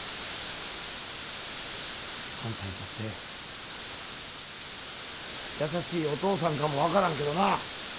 あんたにとって優しいお父さんかも分からんけどな。